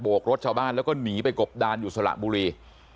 กรถชาวบ้านแล้วก็หนีไปกบดานอยู่สระบุรี